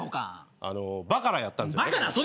バカラやったんですよ。